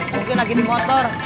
mungkin lagi di motor